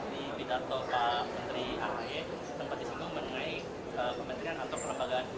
untuk dirasa lebih lanjut pak ustadz itu seperti apa dan nanti peran yang disumbat pemerintah daerah seperti apa